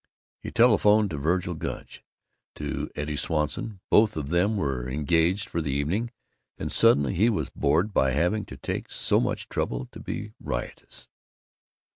He telephoned to Vergil Gunch, to Eddie Swanson. Both of them were engaged for the evening, and suddenly he was bored by having to take so much trouble to be riotous.